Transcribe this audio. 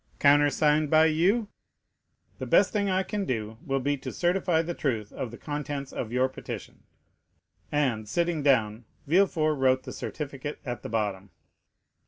"Countersigned by you?" "The best thing I can do will be to certify the truth of the contents of your petition." And, sitting down, Villefort wrote the certificate at the bottom.